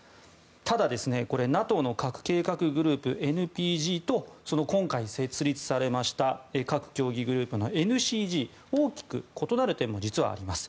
ただ、ＮＡＴＯの核計画グループ・ＮＰＧと今回設立されました核協議グループのＮＣＧ大きく異なる点も実はあります。